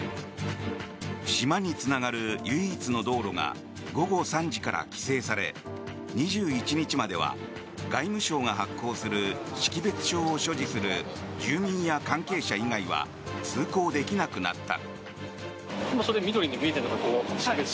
島につながる唯一の道路が午後３時から規制され２１日までは、外務省が発行する識別証を所持する住民や関係者以外は通行できなくなった。